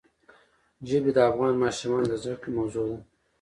ژبې د افغان ماشومانو د زده کړې موضوع ده.